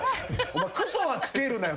お前クソは付けるなよ。